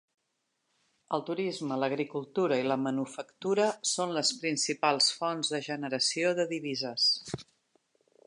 El turisme, l'agricultura i la manufactura són les principals fonts de generació de divises.